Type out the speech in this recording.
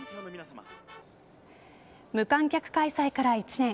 無観客開催から１年